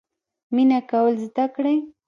مینه کول زده کړئ